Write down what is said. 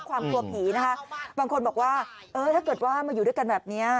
กลัวผีนะคะบางคนบอกว่าเออถ้าเกิดว่ามาอยู่ด้วยกันแบบนี้